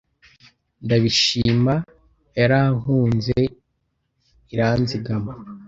ndabishima. yarankunz iranzigama